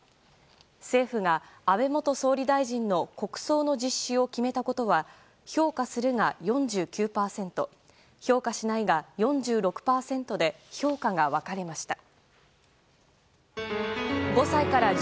政府が安倍元総理大臣の国葬の実施を決めたことは評価するが４９％評価しないが４６％で評価が分かれました。